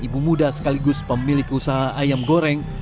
ibu muda sekaligus pemilik usaha ayam goreng